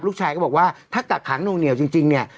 ลูกชายก็บอกว่าถ้ากักขังนวงเหนียวจริงเนี่ย